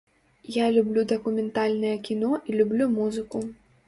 Я люблю дакументальнае кіно і люблю музыку.